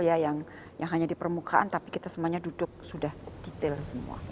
ya yang hanya di permukaan tapi kita semuanya duduk sudah detail semua